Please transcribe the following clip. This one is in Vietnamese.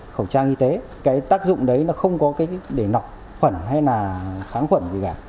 khẩu trang y tế cái tác dụng đấy là không có cái để nọc khuẩn hay là kháng khuẩn gì cả